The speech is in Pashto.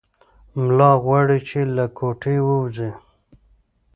ملا غواړي چې له کوټې ووځي.